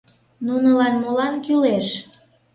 Нунылан молан кӱлеш?!